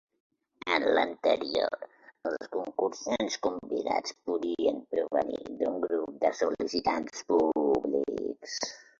En l'anterior, els concursants convidats podien provenir d'un grup de sol·licitants públics.